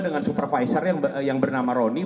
dengan supervisor yang bernama roni